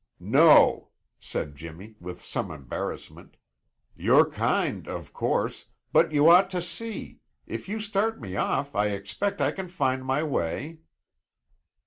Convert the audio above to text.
"No!" said Jimmy with some embarrassment. "You're kind, of course, but you ought to see If you start me off, I expect I can find my way."